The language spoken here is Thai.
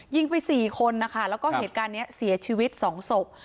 ยิงไป๔คนนะคะแล้วก็เหตุการณ์นี้เสียชีวิตสองศพ